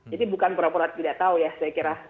jadi bukan pura pura tidak tahu ya saya kira